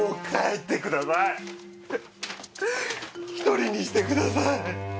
１人にしてください。